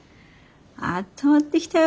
あったまってきたよ